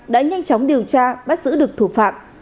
đã nhanh chóng điều tra bắt giữ được thủ phạm